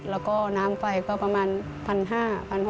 แล้วก็น้ำไฟก็ประมาณ๑๕๐๐บาท